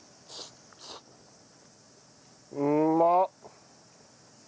うまっ！